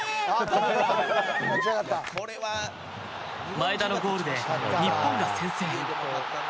前田のゴールで日本が先制。